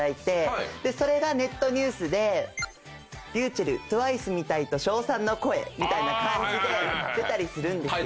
それがネットニュースで「ｒｙｕｃｈｅｌｌＴＷＩＣＥみたいと称賛の声」みたいな感じで出たりするんですよ。